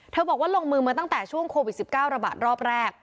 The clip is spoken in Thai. บอกว่าลงมือมาตั้งแต่ช่วงโควิด๑๙ระบาดรอบแรก